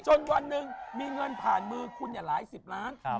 วันหนึ่งมีเงินผ่านมือคุณหลายสิบล้าน